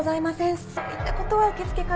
そういったことは受け付けかねます。